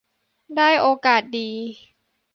ได้โอกาสดี